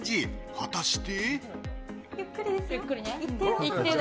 果たして。